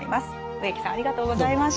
植木さんありがとうございました。